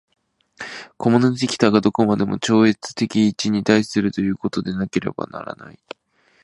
個物的多が何処までも超越的一に対するということでなければならない。